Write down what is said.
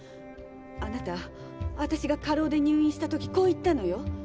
あなたわたしが過労で入院したときこう言ったのよ。